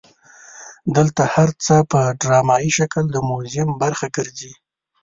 دلته هر څه په ډرامایي شکل د موزیم برخه ګرځي.